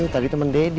tadi temen daddy